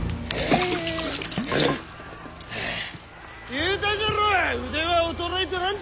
言うたじゃろ腕は衰えとらんと！